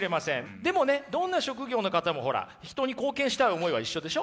でもねどんな職業の方もほら人に貢献したい思いは一緒でしょ？